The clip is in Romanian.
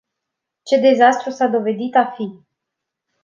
Ce dezastru s-a dovedit a fi!